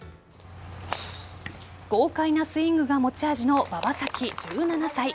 豪快なスイングが持ち味の馬場咲希、１７歳。